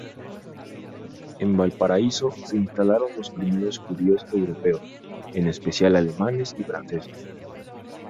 En Valparaíso, se instalaron los primeros judíos europeos, en especial alemanes y franceses.